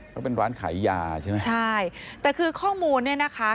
เขาเป็นร้านขายยาใช่ไหมใช่แต่คือข้อมูลเนี่ยนะคะ